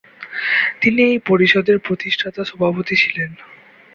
তিনি এই পরিষদের প্রতিষ্ঠাতা সভাপতি ছিলেন।